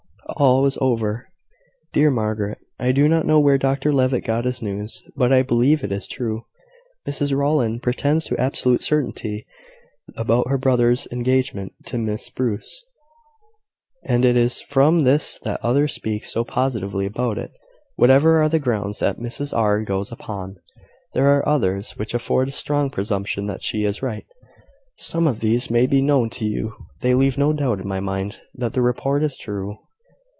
All was over. "Dear Margaret, I do not know where Dr Levitt got his news; but I believe it is true. Mrs Rowland pretends to absolute certainty about her brother's engagement to Miss Bruce; and it is from this that others speak so positively about it. Whatever are the grounds that Mrs R. goes upon, there are others which afford a strong presumption that she is right. Some of these may be known to you. They leave no doubt in my mind that the report is true.